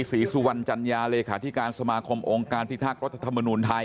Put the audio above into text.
ศรีสุวรรณจัญญาเลขาธิการสมาคมองค์การพิทักษ์รัฐธรรมนุนไทย